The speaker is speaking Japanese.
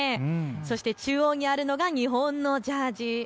そして中央にあるのが日本のジャージ。